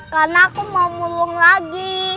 karena aku mau mulung lagi